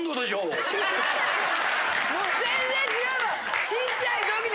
もう全然違うわ！